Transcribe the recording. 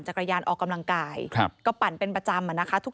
จักรยานออกกำลังกายครับก็ปั่นเป็นประจำอะนะคะทุก